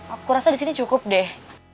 aku rasa di sini cukup deh